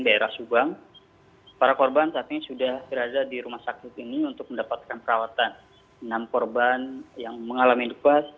daerah subang para korban saat ini sudah berada di rumah sakit ini untuk mendapatkan perawatan enam korban yang mengalami lukas